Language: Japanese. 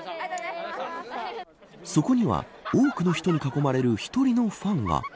そこには多くの人に囲まれる１人のファンが。